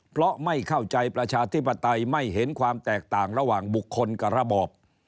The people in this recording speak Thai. เพราะไม่เข้าใจประชาธิปไตยไม่เห็นความแตกต่างระหว่างบุคคลกับระบอบ